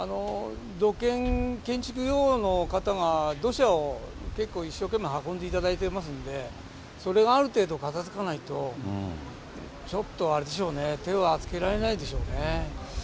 土建、建築業務の方が、土砂を結構、一生懸命運んでいただいてますんで、それがある程度片づかないと、ちょっとあれでしょうね、手はつけられないでしょうね。